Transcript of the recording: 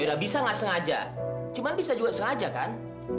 tidak bisa nggak sengaja cuma bisa juga sengaja kan